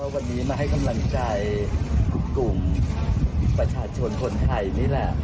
วันนี้มาให้กำลังใจกลุ่มประชาชนคนไทยนี่แหละ